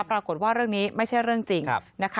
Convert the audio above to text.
ปรากฏว่าเรื่องนี้ไม่ใช่เรื่องจริงนะคะ